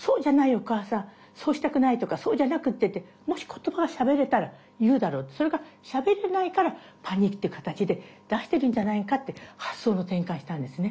お母さんそうしたくないとかそうじゃなくってってもし言葉がしゃべれたら言うだろうとそれがしゃべれないからパニックって形で出してるんじゃないかって発想の転換したんですね。